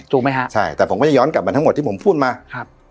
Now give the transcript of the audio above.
ถูกไหมฮะใช่แต่ผมก็จะย้อนกลับมาทั้งหมดที่ผมพูดมาครับ